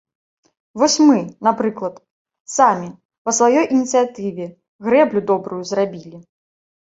Вось мы, напрыклад, самі, па сваёй ініцыятыве, грэблю добрую зрабілі.